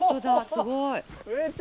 すごい。